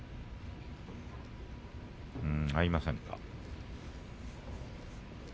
合いませんか。